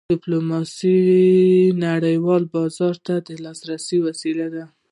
ډیپلوماسي نړیوال بازار ته د لاسرسي وسیله ده.